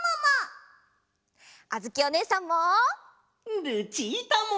あづきおねえさんも！